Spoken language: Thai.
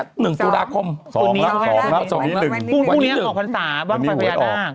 ๒ครับพรุ่งนี้ออกภัณฑ์สาวว่างภัณฑ์ประยาทาง